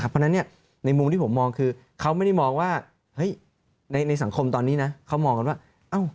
เพราะฉะนั้นในมุมที่ผมมองคือเขาไม่ได้มองว่าในสังคมตอนนี้นะเขามองกันว่า